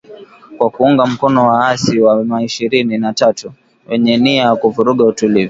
kwa kuunga mkono waasi wa M ishirini na tatu wenye nia ya kuvuruga utulivu